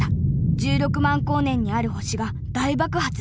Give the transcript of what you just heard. １６万光年にある星が大爆発。